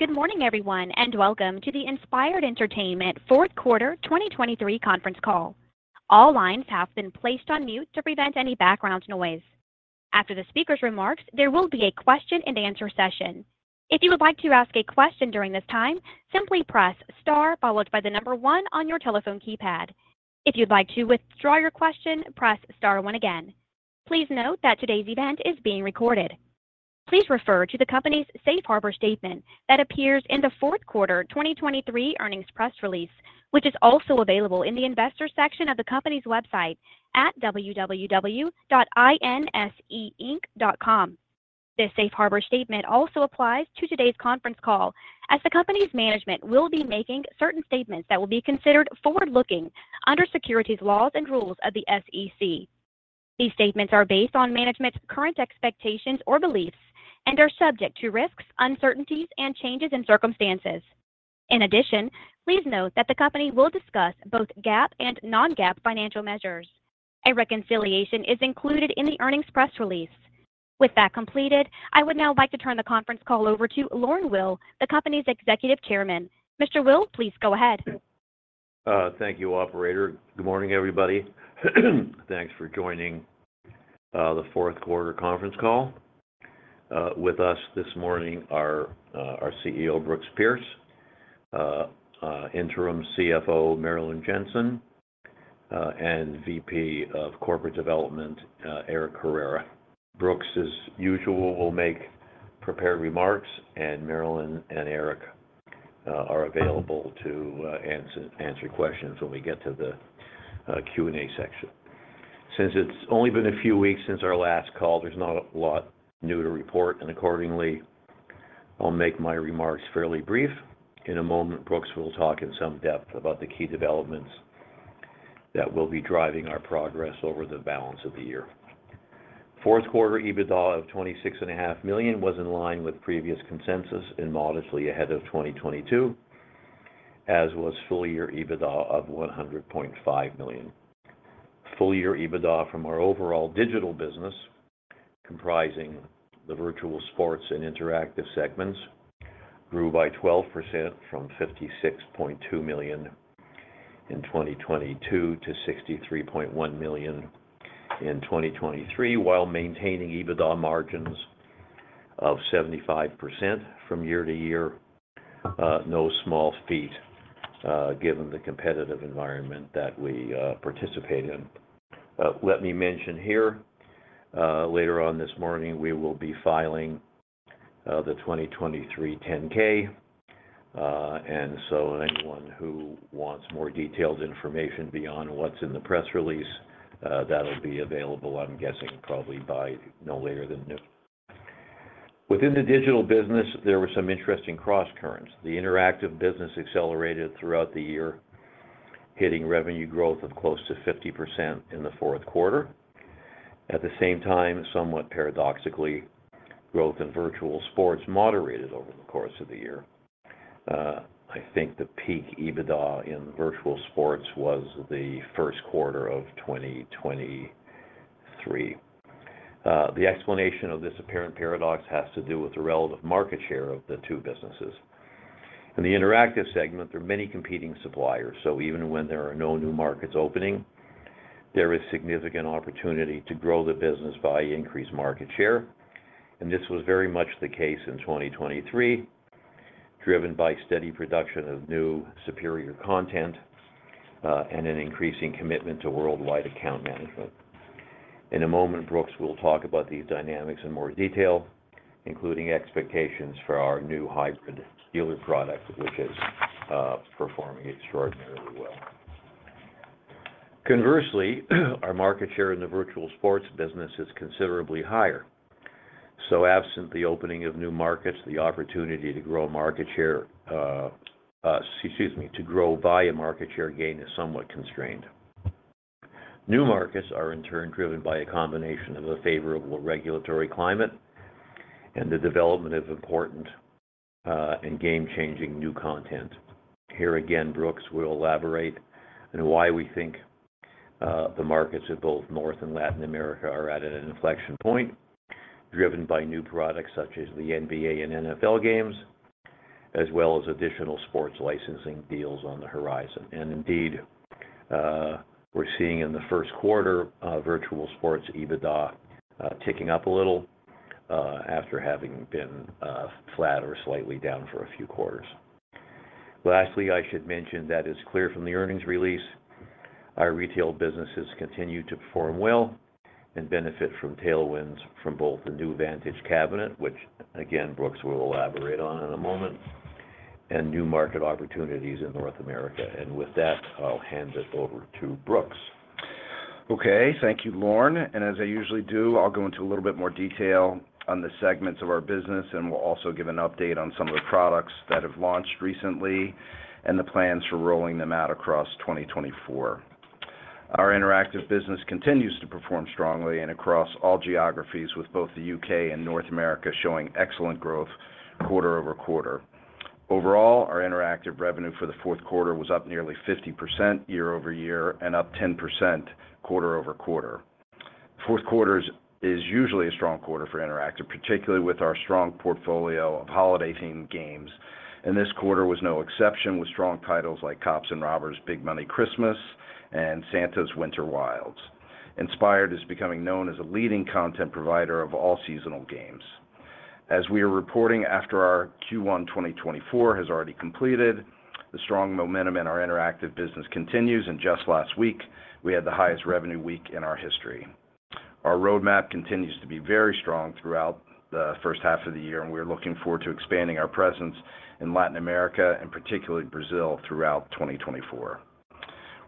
Good morning, everyone, and welcome to the Inspired Entertainment fourth quarter 2023 conference call. All lines have been placed on mute to prevent any background noise. After the speaker's remarks, there will be a question-and-answer session. If you would like to ask a question during this time, simply press star followed by the number one on your telephone keypad. If you'd like to withdraw your question, press star one again. Please note that today's event is being recorded. Please refer to the company's safe harbor statement that appears in the fourth quarter 2023 earnings press release, which is also available in the Investor section of the company's website at www.inseinc.com. This safe harbor statement also applies to today's conference call, as the company's management will be making certain statements that will be considered forward-looking under securities laws and rules of the SEC. These statements are based on management's current expectations or beliefs and are subject to risks, uncertainties, and changes in circumstances. In addition, please note that the company will discuss both GAAP and non-GAAP financial measures. A reconciliation is included in the earnings press release. With that completed, I would now like to turn the conference call over to Lorne Weil, the company's Executive Chairman. Mr. Weil, please go ahead. Thank you, operator. Good morning, everybody. Thanks for joining the fourth quarter conference call. With us this morning are our CEO, Brooks Pierce; interim CFO, Marilyn Jentzen; and VP of corporate development, Eric Carrera. Brooks, as usual, will make prepared remarks, and Marilyn and Eric are available to answer questions when we get to the Q&A section. Since it's only been a few weeks since our last call, there's not a lot new to report, and accordingly, I'll make my remarks fairly brief. In a moment, Brooks will talk in some depth about the key developments that will be driving our progress over the balance of the year. Fourth Quarter EBITDA of $26.5 million was in line with previous consensus and modestly ahead of 2022, as was full-year EBITDA of $100.5 million. Full-year EBITDA from our overall digital business, comprising the virtual sports and interactive segments, grew by 12% from $56.2 million in 2022 to $63.1 million in 2023, while maintaining EBITDA margins of 75% from year to year. No small feat given the competitive environment that we participate in. Let me mention here, later on this morning, we will be filing the 2023 10-K, and so anyone who wants more detailed information beyond what's in the press release, that'll be available, I'm guessing, probably by no later than noon. Within the digital business, there were some interesting cross-currents. The interactive business accelerated throughout the year, hitting revenue growth of close to 50% in the fourth quarter. At the same time, somewhat paradoxically, growth in virtual sports moderated over the course of the year. I think the peak EBITDA in virtual sports was the first quarter of 2023. The explanation of this apparent paradox has to do with the relative market share of the two businesses. In the interactive segment, there are many competing suppliers, so even when there are no new markets opening, there is significant opportunity to grow the business by increased market share. And this was very much the case in 2023, driven by steady production of new superior content and an increasing commitment to worldwide account management. In a moment, Brooks will talk about these dynamics in more detail, including expectations for our new Hybrid Dealer product, which is performing extraordinarily well. Conversely, our market share in the Virtual Sports business is considerably higher. So absent the opening of new markets, the opportunity to grow market share, excuse me, to grow via market share gain is somewhat constrained. New markets are, in turn, driven by a combination of a favorable regulatory climate and the development of important and game-changing new content. Here again, Brooks will elaborate on why we think the markets of both North and Latin America are at an inflection point, driven by new products such as the NBA and NFL games, as well as additional sports licensing deals on the horizon. And indeed, we're seeing in the first quarter virtual sports EBITDA ticking up a little after having been flat or slightly down for a few quarters. Lastly, I should mention that it is clear from the earnings release. Our retail businesses continue to perform well and benefit from tailwinds from both the new Vantage cabinet, which again, Brooks will elaborate on in a moment, and new market opportunities in North America. And with that, I'll hand it over to Brooks. Okay. Thank you, Lorne. And as I usually do, I'll go into a little bit more detail on the segments of our business, and we'll also give an update on some of the products that have launched recently and the plans for rolling them out across 2024. Our interactive business continues to perform strongly and across all geographies, with both the U.K. and North America showing excellent growth quarter-over-quarter. Overall, our interactive revenue for the fourth quarter was up nearly 50% year-over-year and up 10% quarter-over-quarter. Fourth quarter is usually a strong quarter for interactive, particularly with our strong portfolio of holiday-themed games. And this quarter was no exception, with strong titles like Cops 'n' Robbers Big Money Christmas, and Santa's Winter Wilds. Inspired is becoming known as a leading content provider of all-seasonal games. As we are reporting, after our Q1 2024 has already completed, the strong momentum in our interactive business continues, and just last week, we had the highest revenue week in our history. Our roadmap continues to be very strong throughout the first half of the year, and we are looking forward to expanding our presence in Latin America and particularly Brazil throughout 2024.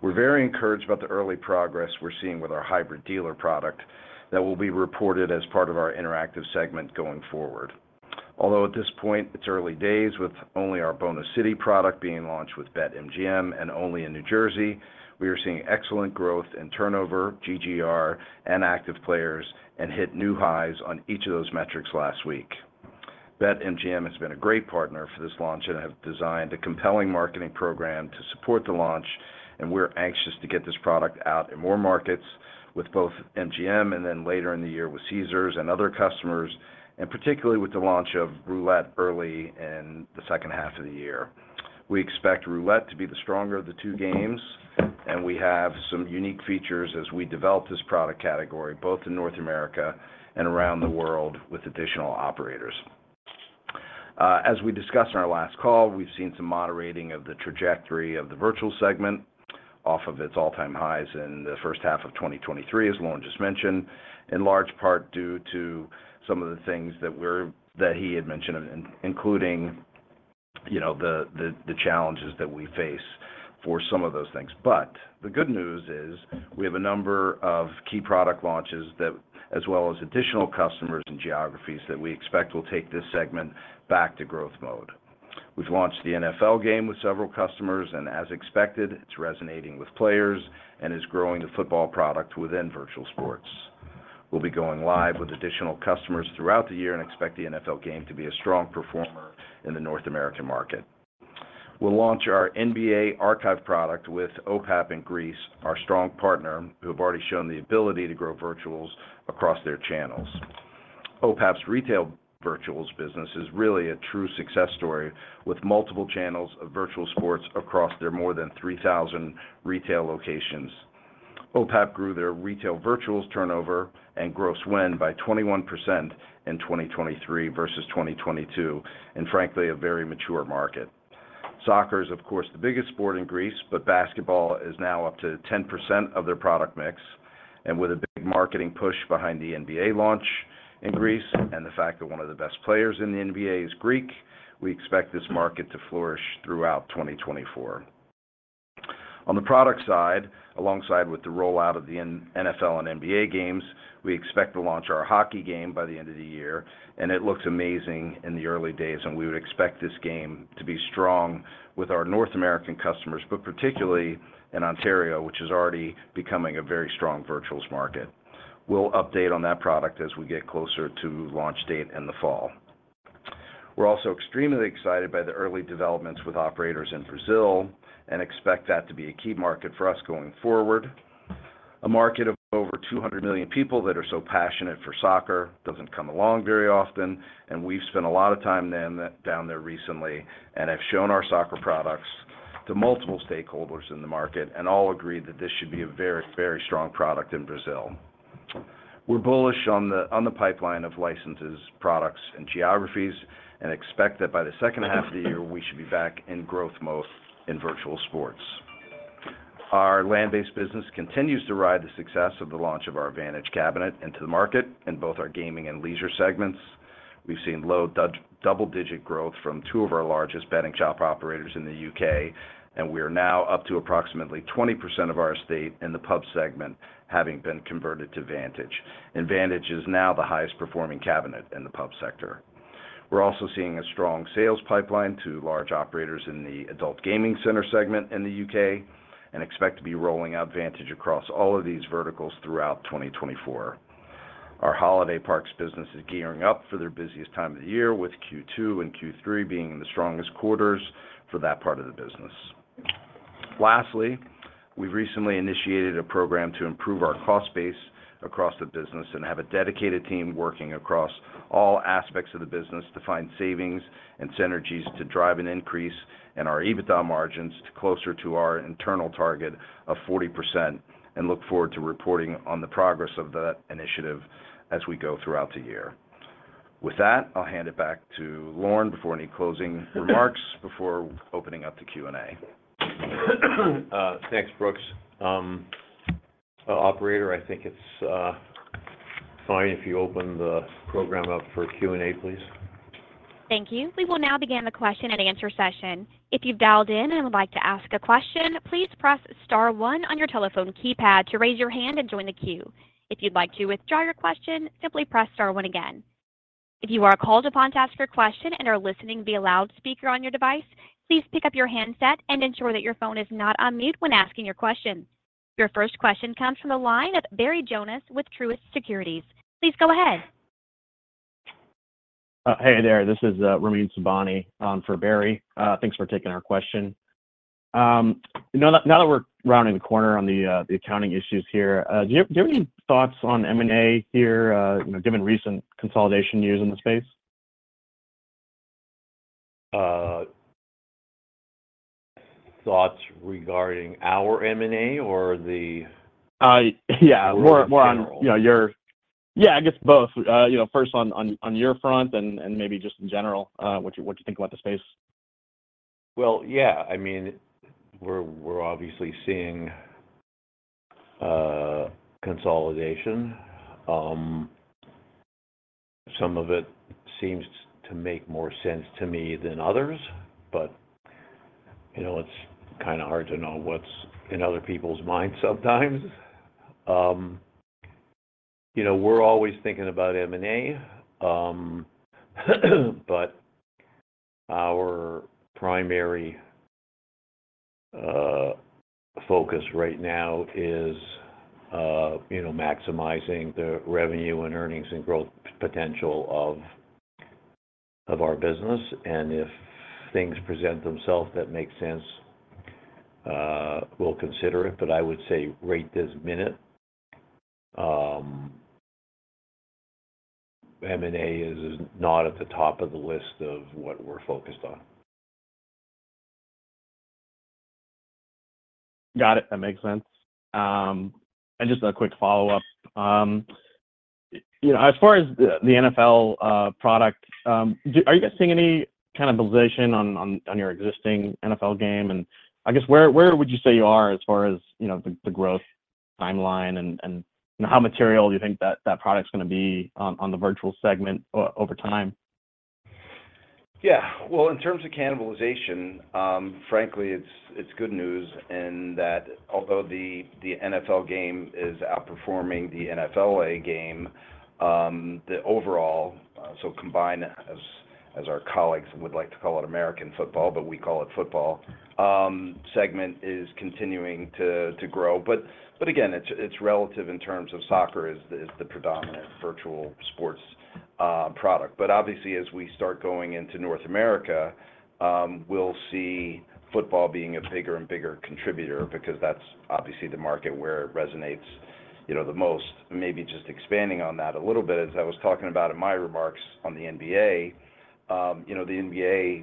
We're very encouraged about the early progress we're seeing with our Hybrid Dealer product that will be reported as part of our interactive segment going forward. Although at this point, it's early days, with only our Bonus City product being launched with BetMGM and only in New Jersey, we are seeing excellent growth and turnover, GGR, and active players, and hit new highs on each of those metrics last week. BetMGM has been a great partner for this launch and have designed a compelling marketing program to support the launch, and we're anxious to get this product out in more markets with both MGM and then later in the year with Caesars and other customers, and particularly with the launch of Roulette early in the second half of the year. We expect Roulette to be the stronger of the two games, and we have some unique features as we develop this product category, both in North America and around the world, with additional operators. As we discussed on our last call, we've seen some moderating of the trajectory of the virtual segment off of its all-time highs in the first half of 2023, as Lorne just mentioned, in large part due to some of the things that he had mentioned, including the challenges that we face for some of those things. But the good news is we have a number of key product launches that, as well as additional customers and geographies, that we expect will take this segment back to growth mode. We've launched the NFL game with several customers, and as expected, it's resonating with players and is growing the football product within virtual sports. We'll be going live with additional customers throughout the year and expect the NFL game to be a strong performer in the North American market. We'll launch our NBA archive product with OPAP in Greece, our strong partner, who have already shown the ability to grow virtuals across their channels. OPAP's retail virtuals business is really a true success story with multiple channels of virtual sports across their more than 3,000 retail locations. OPAP grew their retail virtuals turnover and gross win by 21% in 2023 versus 2022, and frankly, a very mature market. Soccer is, of course, the biggest sport in Greece, but basketball is now up to 10% of their product mix. With a big marketing push behind the NBA launch in Greece and the fact that one of the best players in the NBA is Greek, we expect this market to flourish throughout 2024. On the product side, alongside with the rollout of the NFL and NBA games, we expect to launch our hockey game by the end of the year, and it looks amazing in the early days, and we would expect this game to be strong with our North American customers, but particularly in Ontario, which is already becoming a very strong virtuals market. We'll update on that product as we get closer to launch date in the fall. We're also extremely excited by the early developments with operators in Brazil and expect that to be a key market for us going forward. A market of over 200 million people that are so passionate for soccer doesn't come along very often, and we've spent a lot of time down there recently and have shown our soccer products to multiple stakeholders in the market, and all agree that this should be a very, very strong product in Brazil. We're bullish on the pipeline of licenses, products, and geographies and expect that by the second half of the year, we should be back in growth mode in virtual sports. Our land-based business continues to ride the success of the launch of our Vantage cabinet into the market in both our gaming and leisure segments. We've seen low double-digit growth from two of our largest betting shop operators in the U.K., and we are now up to approximately 20% of our estate in the pub segment, having been converted to Vantage. Vantage is now the highest performing cabinet in the pub sector. We're also seeing a strong sales pipeline to large operators in the adult gaming center segment in the U.K. and expect to be rolling out Vantage across all of these verticals throughout 2024. Our holiday parks business is gearing up for their busiest time of the year, with Q2 and Q3 being in the strongest quarters for that part of the business. Lastly, we've recently initiated a program to improve our cost base across the business and have a dedicated team working across all aspects of the business to find savings and synergies to drive an increase in our EBITDA margins closer to our internal target of 40%, and look forward to reporting on the progress of that initiative as we go throughout the year. With that, I'll hand it back to Lorne before any closing remarks, before opening up to Q&A. Thanks, Brooks. Operator, I think it's fine if you open the program up for Q&A, please. Thank you. We will now begin the question and answer session. If you've dialed in and would like to ask a question, please press star one on your telephone keypad to raise your hand and join the queue. If you'd like to withdraw your question, simply press star one again. If you are called upon to ask your question and are listening via loudspeaker on your device, please pick up your handset and ensure that your phone is not on mute when asking your question. Your first question comes from the line of Barry Jonas with Truist Securities. Please go ahead. Hey there. This is Ramin Sobhany for Barry. Thanks for taking our question. Now that we're rounding the corner on the accounting issues here, do you have any thoughts on M&A here, given recent consolidation news in the space? Thoughts regarding our M&A or the general? Yeah. More on your, I guess both. First, on your front and maybe just in general, what you think about the space? Well, yeah. I mean, we're obviously seeing consolidation. Some of it seems to make more sense to me than others, but it's kind of hard to know what's in other people's minds sometimes. We're always thinking about M&A, but our primary focus right now is maximizing the revenue and earnings and growth potential of our business. And if things present themselves that make sense, we'll consider it. But I would say at this minute. M&A is not at the top of the list of what we're focused on. Got it. That makes sense. And just a quick follow-up. As far as the NFL product, are you guys seeing any cannibalization on your existing NFL game? And I guess where would you say you are as far as the growth timeline and how material do you think that product's going to be on the virtual segment over time? Yeah. Well, in terms of cannibalization, frankly, it's good news in that although the NFL game is outperforming the NFLA game, the overall so combined, as our colleagues would like to call it, American football, but we call it football segment is continuing to grow. But again, it's relative in terms of soccer is the predominant virtual sports product. But obviously, as we start going into North America, we'll see football being a bigger and bigger contributor because that's obviously the market where it resonates the most. Maybe just expanding on that a little bit, as I was talking about in my remarks on the NBA, the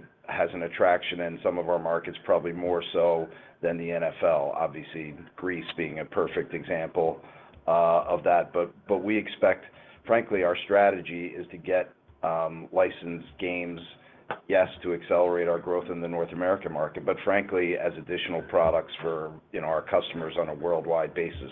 NBA has an attraction in some of our markets, probably more so than the NFL. Obviously, Greece being a perfect example of that. But we expect, frankly, our strategy is to get licensed games, yes, to accelerate our growth in the North American market, but frankly, as additional products for our customers on a worldwide basis.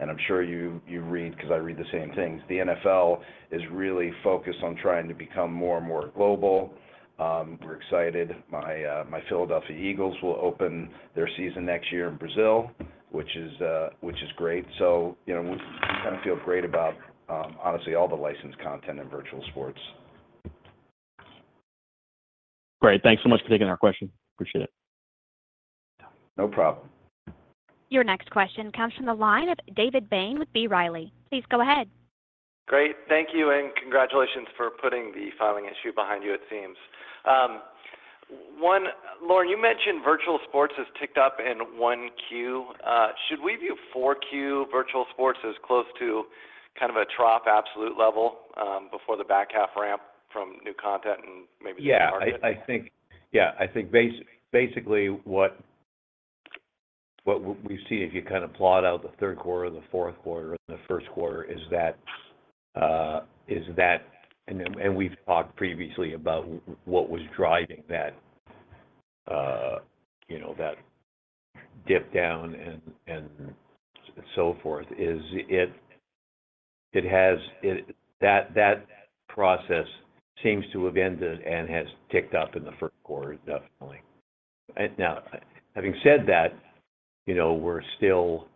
And I'm sure you read, because I read, the same things. The NFL is really focused on trying to become more and more global. We're excited. My Philadelphia Eagles will open their season next year in Brazil, which is great. So we kind of feel great about, honestly, all the licensed content in virtual sports. Great. Thanks so much for taking our question. Appreciate it. No problem. Your next question comes from the line of David Bain with B. Riley. Please go ahead. Great. Thank you and congratulations for putting the filing issue behind you, it seems. Lorne, you mentioned virtual sports has ticked up in Q1. Should we view Q4 virtual sports as close to kind of a trough absolute level before the back half ramp from new content and maybe the new market? Yeah. I think basically what we've seen, if you kind of plot out the third quarter, the fourth quarter, and the first quarter, is that and we've talked previously about what was driving that dip down and so forth, is that process seems to have ended and has ticked up in the first quarter, definitely. Now, having said that, we're still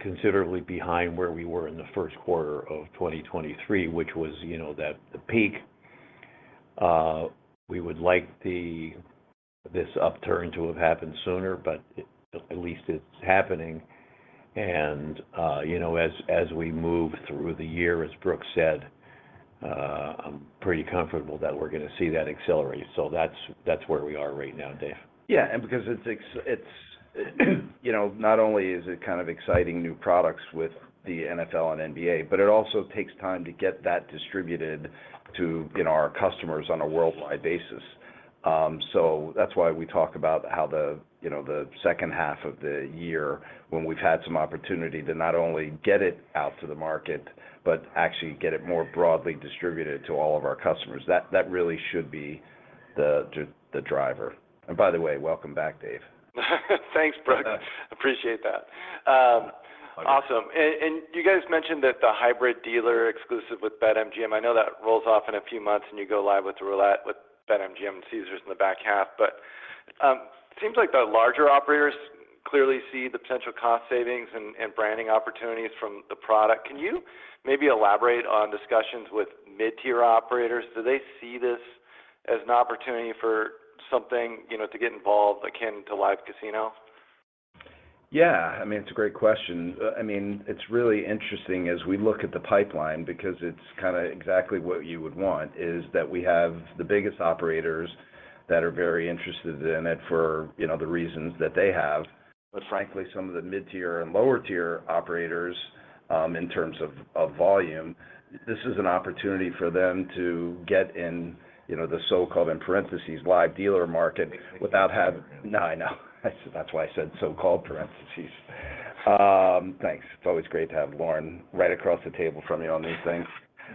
considerably behind where we were in the first quarter of 2023, which was the peak. We would like this upturn to have happened sooner, but at least it's happening. And as we move through the year, as Brooks said, I'm pretty comfortable that we're going to see that accelerate. So that's where we are right now, Dave. Yeah. And because it's not only is it kind of exciting new products with the NFL and NBA, but it also takes time to get that distributed to our customers on a worldwide basis. So that's why we talk about how the second half of the year, when we've had some opportunity to not only get it out to the market but actually get it more broadly distributed to all of our customers, that really should be the driver. And by the way, welcome back, Dave. Thanks, Brooks. Appreciate that. Awesome. And you guys mentioned that the Hybrid Dealer exclusive with BetMGM. I know that rolls off in a few months and you go live with BetMGM and Caesars in the back half. But it seems like the larger operators clearly see the potential cost savings and branding opportunities from the product. Can you maybe elaborate on discussions with mid-tier operators? Do they see this as an opportunity for something to get involved akin to live casinos? Yeah. I mean, it's a great question. I mean, it's really interesting as we look at the pipeline because it's kind of exactly what you would want, is that we have the biggest operators that are very interested in it for the reasons that they have. But frankly, some of the mid-tier and lower-tier operators, in terms of volume, this is an opportunity for them to get in the so-called - in parentheses - live dealer market without having no, I know. That's why I said so-called parentheses. Thanks. It's always great to have Lorne right across the table from you on these things.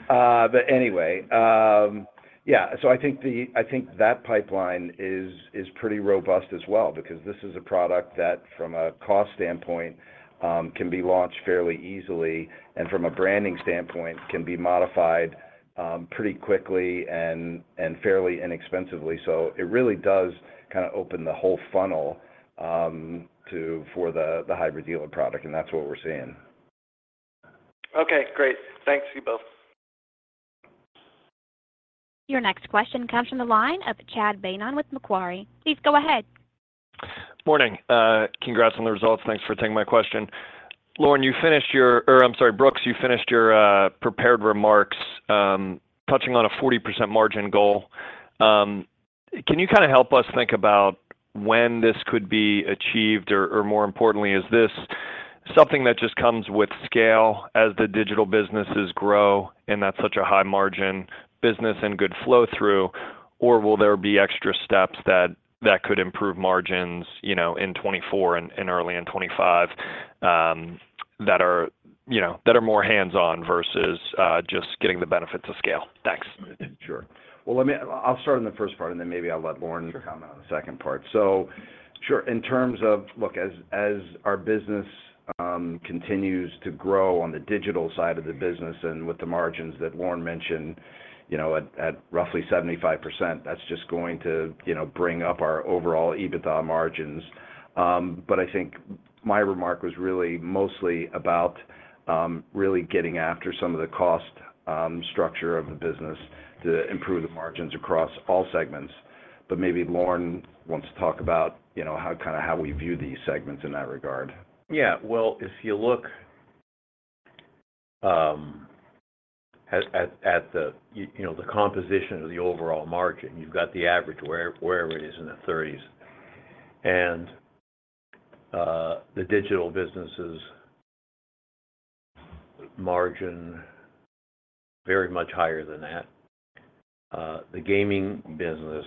But anyway, yeah. So I think that pipeline is pretty robust as well because this is a product that, from a cost standpoint, can be launched fairly easily and, from a branding standpoint, can be modified pretty quickly and fairly inexpensively. So it really does kind of open the whole funnel for the Hybrid Dealer product, and that's what we're seeing. Okay. Great. Thanks, you both. Your next question comes from the line of Chad Beynon with Macquarie. Please go ahead. Morning. Congrats on the results. Thanks for taking my question. Lorne, you finished your or I'm sorry, Brooks, you finished your prepared remarks touching on a 40% margin goal. Can you kind of help us think about when this could be achieved? Or more importantly, is this something that just comes with scale as the digital businesses grow and that's such a high-margin business and good flow-through, or will there be extra steps that could improve margins in 2024 and early in 2025 that are more hands-on versus just getting the benefits of scale? Thanks. Sure. Well, I'll start in the first part, and then maybe I'll let Lorne comment on the second part. So sure. In terms of outlook, as our business continues to grow on the digital side of the business and with the margins that Lorne mentioned at roughly 75%, that's just going to bring up our overall EBITDA margins. But I think my remark was really mostly about really getting after some of the cost structure of the business to improve the margins across all segments. But maybe Lorne wants to talk about kind of how we view these segments in that regard. Yeah. Well, if you look at the composition of the overall margin, you've got the average wherever it is in the 30s and the digital business's margin, very much higher than that. The gaming business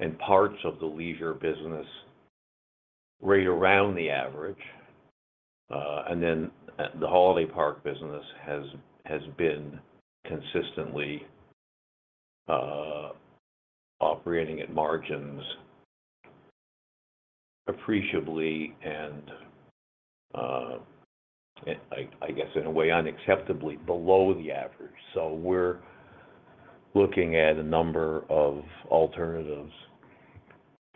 and parts of the leisure business right around the average. And then the holiday park business has been consistently operating at margins appreciably and, I guess, in a way, unacceptably below the average. So we're looking at a number of alternatives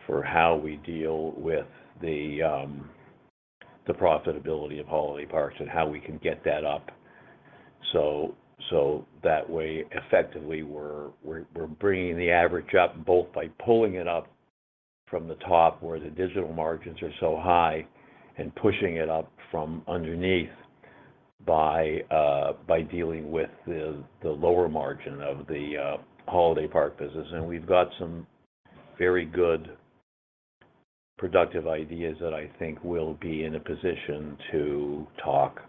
for how we deal with the profitability of holiday parks and how we can get that up. So that way, effectively, we're bringing the average up both by pulling it up from the top where the digital margins are so high and pushing it up from underneath by dealing with the lower margin of the holiday park business. We've got some very good, productive ideas that I think will be in a position to talk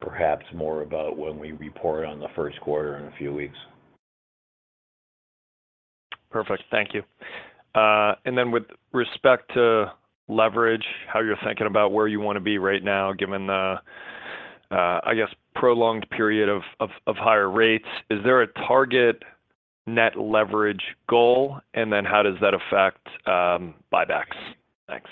perhaps more about when we report on the first quarter in a few weeks. Perfect. Thank you. And then with respect to leverage, how you're thinking about where you want to be right now, given the, I guess, prolonged period of higher rates, is there a target net leverage goal? And then how does that affect buybacks? Thanks.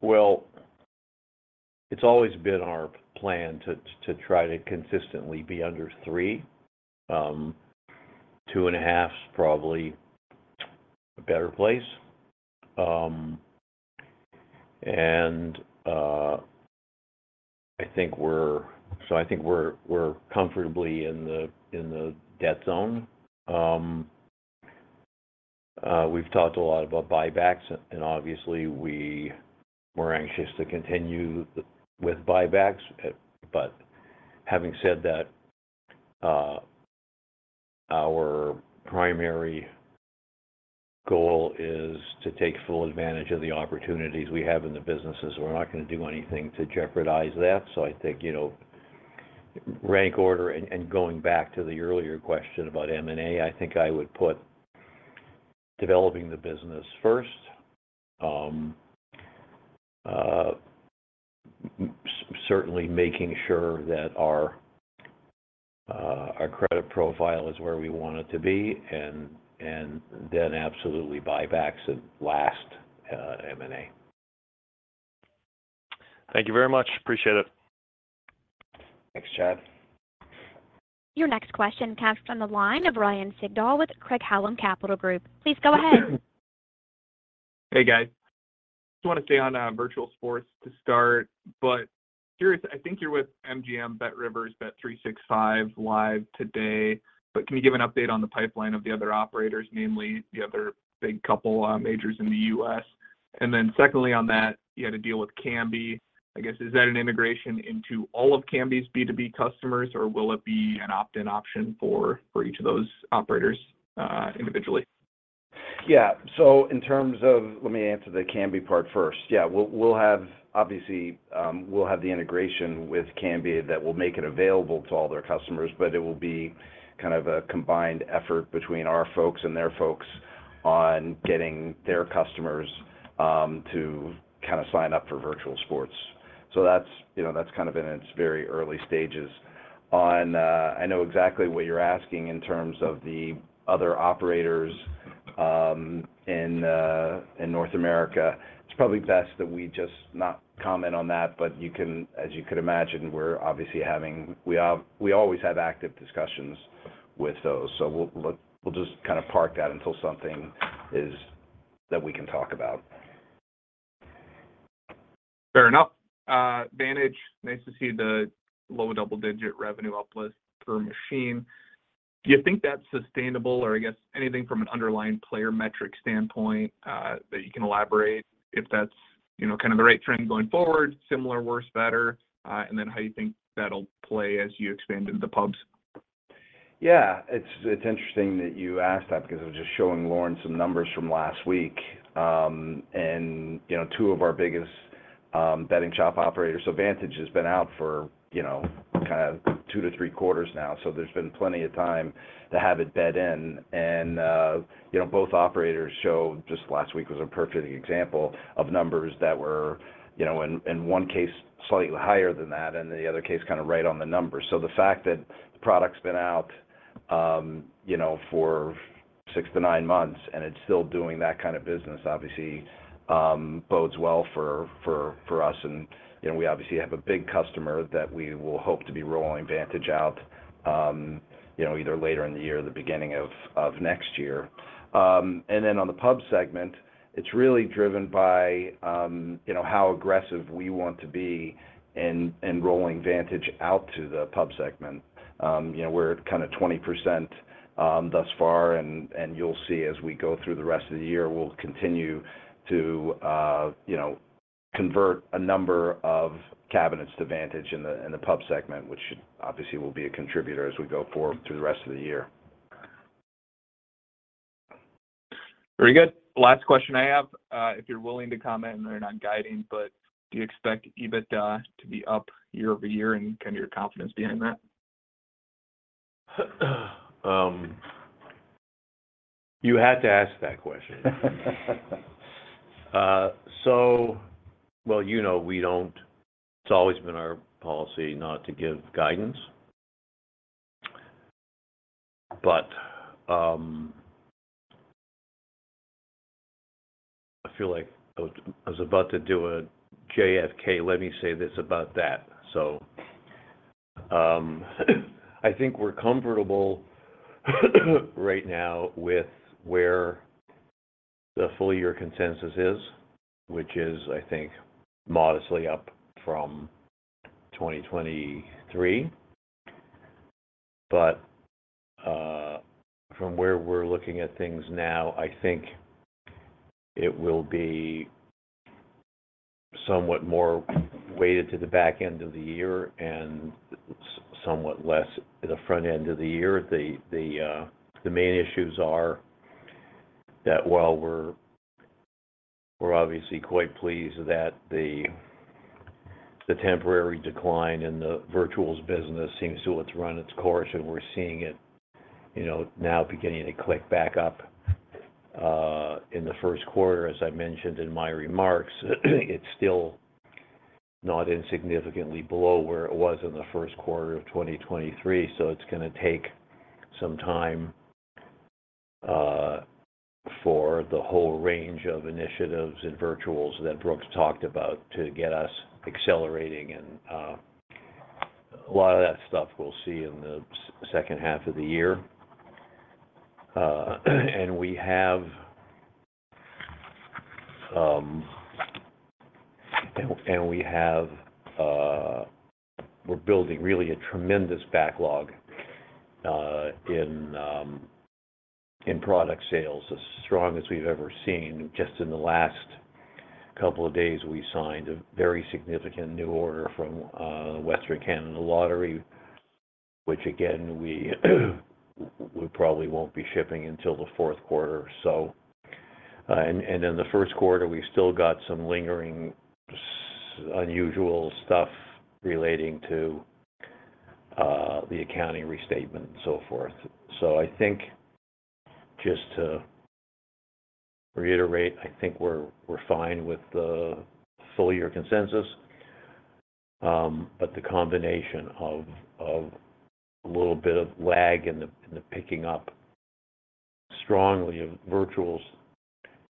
Well, it's always been our plan to try to consistently be under three. 2.5 is probably a better place. And I think we're comfortably in the debt zone. We've talked a lot about buybacks, and obviously, we're anxious to continue with buybacks. But having said that, our primary goal is to take full advantage of the opportunities we have in the businesses. We're not going to do anything to jeopardize that. So I think rank order and going back to the earlier question about M&A, I think I would put developing the business first, certainly making sure that our credit profile is where we want it to be, and then absolutely buybacks at last M&A. Thank you very much. Appreciate it. Thanks, Chad. Your next question comes from the line of Ryan Sigdahl with Craig-Hallum Capital Group. Please go ahead. Hey, guys. I just want to stay on virtual sports to start. But curious, I think you're with MGM, BetRivers, Bet365, live today. But can you give an update on the pipeline of the other operators, namely the other big couple majors in the U.S.? And then secondly on that, you had to deal with Kambi. I guess, is that an integration into all of Kambi's B2B customers, or will it be an opt-in option for each of those operators individually? Yeah. So in terms of let me answer the Kambi part first. Yeah. Obviously, we'll have the integration with Kambi that will make it available to all their customers, but it will be kind of a combined effort between our folks and their folks on getting their customers to kind of sign up for virtual sports. So that's kind of in its very early stages. I know exactly what you're asking in terms of the other operators in North America. It's probably best that we just not comment on that. But as you could imagine, we're obviously having we always have active discussions with those. So we'll just kind of park that until something is that we can talk about. Fair enough. Vantage. Nice to see the low double-digit revenue uplift per machine. Do you think that's sustainable? Or I guess, anything from an underlying player metric standpoint that you can elaborate if that's kind of the right trend going forward, similar, worse, better, and then how you think that'll play as you expand into the pubs? Yeah. It's interesting that you asked that because I was just showing Lorne some numbers from last week. And two of our biggest betting shop operators, so Vantage has been out for kind of two to three quarters now. So there's been plenty of time to have it bed in. And both operators show just last week was a perfect example of numbers that were, in one case, slightly higher than that and in the other case, kind of right on the numbers. So the fact that the product's been out for six to nine months and it's still doing that kind of business, obviously, bodes well for us. And we obviously have a big customer that we will hope to be rolling Vantage out either later in the year or the beginning of next year. Then on the pub segment, it's really driven by how aggressive we want to be in rolling Vantage out to the pub segment. We're kind of 20% thus far, and you'll see as we go through the rest of the year, we'll continue to convert a number of cabinets to Vantage in the pub segment, which obviously will be a contributor as we go through the rest of the year. Very good. Last question I have. If you're willing to comment and they're not guiding, but do you expect EBITDA to be up year-over-year and kind of your confidence behind that? You had to ask that question. Well, we don't. It's always been our policy not to give guidance. But I feel like I was about to do a JFK. Let me say this about that. So I think we're comfortable right now with where the full-year consensus is, which is, I think, modestly up from 2023. But from where we're looking at things now, I think it will be somewhat more weighted to the back end of the year and somewhat less to the front end of the year. The main issues are that while we're obviously quite pleased that the temporary decline in the virtuals business seems to have run its course, and we're seeing it now beginning to click back up in the first quarter. As I mentioned in my remarks, it's still not insignificantly below where it was in the first quarter of 2023. So it's going to take some time for the whole range of initiatives in virtuals that Brooks talked about to get us accelerating. And a lot of that stuff we'll see in the second half of the year. And we have we're building really a tremendous backlog in product sales, as strong as we've ever seen. Just in the last couple of days, we signed a very significant new order from Western Canada Lottery, which, again, we probably won't be shipping until the fourth quarter, so. And in the first quarter, we still got some lingering unusual stuff relating to the accounting restatement and so forth. So I think just to reiterate, I think we're fine with the full-year consensus. The combination of a little bit of lag in the picking up strongly of virtuals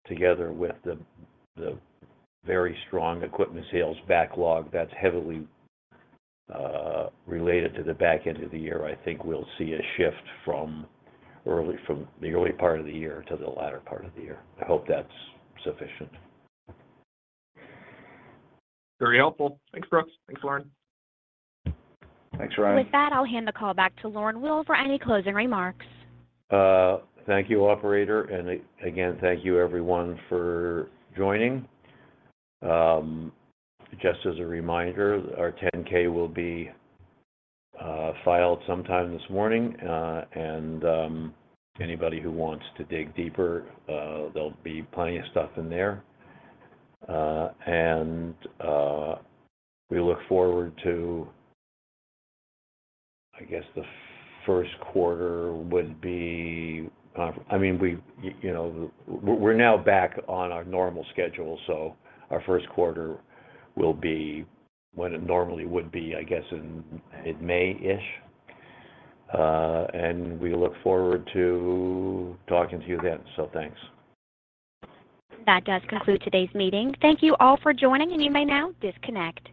together with the very strong equipment sales backlog that's heavily related to the back end of the year, I think we'll see a shift from the early part of the year to the latter part of the year. I hope that's sufficient. Very helpful. Thanks, Brooks. Thanks, Lorne. Thanks, Ryan. With that, I'll hand the call back to Lorne Weil for any closing remarks. Thank you, operator. And again, thank you, everyone, for joining. Just as a reminder, our 10-K will be filed sometime this morning. And anybody who wants to dig deeper, there'll be plenty of stuff in there. And we look forward to, I guess, the first quarter would be. I mean, we're now back on our normal schedule, so our first quarter will be when it normally would be, I guess, in May-ish. And we look forward to talking to you then. So thanks. That does conclude today's meeting. Thank you all for joining, and you may now disconnect.